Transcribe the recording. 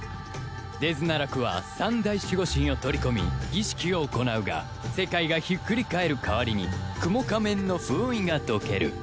デズナラクは三大守護神を取り込み儀式を行うが世界がひっくり返る代わりに蜘蛛仮面の封印が解ける